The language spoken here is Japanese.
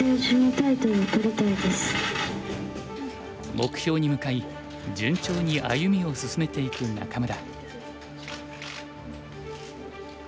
目標に向かい順調に歩みを進めていく仲邑。